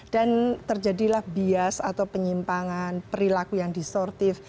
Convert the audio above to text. dan terjadilah bias atau penyimpangan perilaku yang distortif